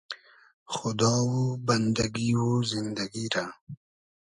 خودا و بئندئگی و زیندئگی رۂ